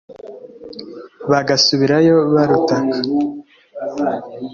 bagasubirayo barutaka